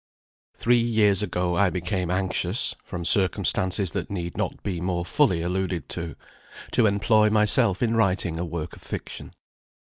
Three years ago I became anxious (from circumstances that need not be more fully alluded to) to employ myself in writing a work of fiction.